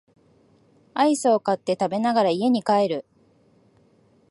アイスを買って食べながら家に帰る